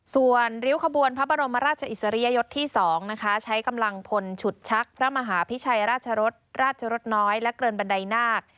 ส่วนริ้วขบวนพระบรมราชอิสริยยศที่๒นะคะใช้กำลังพลฉุดชักพระมหาพิชัยราชรสราชรสน้อยและเกินบันไดนาค